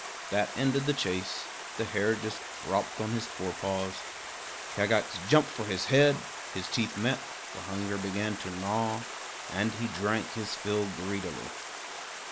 That ended the chase. The hare just dropped on his fore paws. Kagax jumped for his head; his teeth met; the hunger began to gnaw, and he drank his fill greedily.